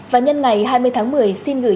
và nhân ngày hai mươi tháng một mươi xin gửi